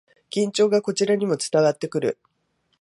緊張がこちらにも伝わってくる